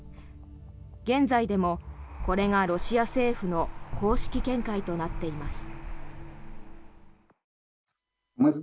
現在でもこれがロシア政府の公式見解となっています。